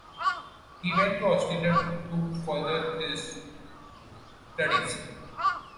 He went to Australia to further his studies.